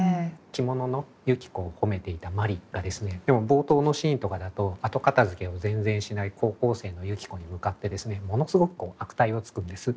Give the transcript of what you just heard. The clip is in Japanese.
着物の雪子を褒めていた麻里がですねでも冒頭のシーンとかだと後片付けを全然しない高校生の雪子に向かってですねものすごく悪態をつくんです。